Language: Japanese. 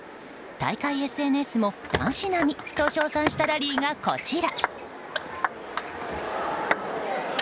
大会ＳＮＳも男子並みと称賛したラリーがこちら。